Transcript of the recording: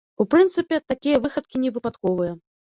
У прынцыпе, такія выхадкі не выпадковыя.